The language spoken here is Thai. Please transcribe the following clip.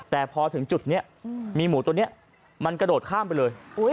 แต่พอถึงจุดนี้มีหมูตัวนี้มันกระโดดข้ามไปเลย